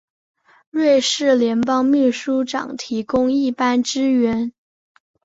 瑞士联邦秘书长提供一般支援。